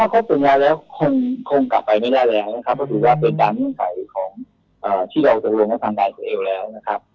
ถ้าครบสัญญาแล้วคงกลับไปไม่ได้แล้วนะครับ